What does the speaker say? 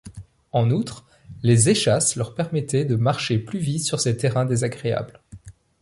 En outre, les échasses leur permettaient de marcher plus vite sur ces terrains désagréables.